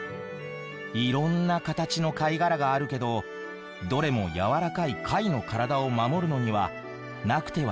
いろんな形の貝殻があるけどどれも軟らかい貝の体を守るのにはなくてはならないものなんだよ。